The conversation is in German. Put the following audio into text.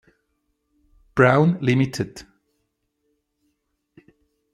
Brown Ltd.